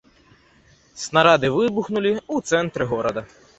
Снарады выбухнулі ў цэнтры горада.